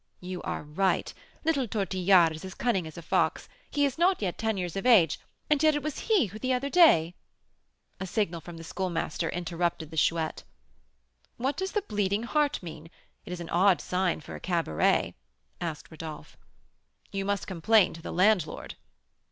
"You are right, little Tortillard is as cunning as a fox; he is not ten years of age, and yet it was he who the other day " A signal from the Schoolmaster interrupted the Chouette. "What does the 'Bleeding Heart' mean? It is an odd sign for a cabaret," asked Rodolph. "You must complain to the landlord."